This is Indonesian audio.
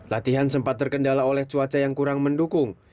latihan sempat terkendala oleh cuaca yang kurang mendukung